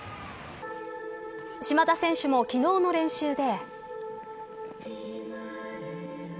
島田選手も昨日の練習で。